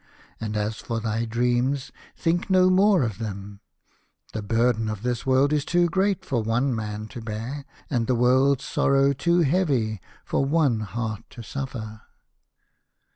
And as for thy dreams, think no more of them. The burden of this world is too great for one man to bear, and the world's sorrow too heavy for one heart to suffer."